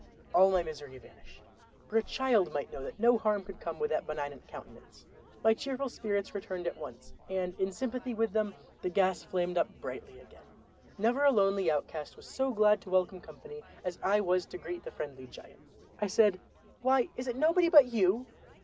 All my misery vanished—for a child might know that no harm could come with that benignant countenance. My cheerful spirits returned at once, and in sympathy with them the gas flamed up brightly again. Never a lonely outcast was so glad to welcome company as I was to greet the friendly giant. I said: "Why, is it nobody but you?